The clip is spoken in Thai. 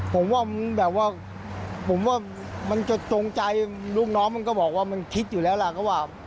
ผมว่ามันจงใจลูกน้องมันก็บอกว่ามันคิดอยู่แล้วล่ะ